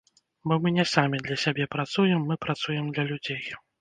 Бо мы не самі для сябе працуем, мы працуем для людзей.